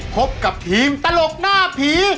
พบกับทีมตลกหน้าผี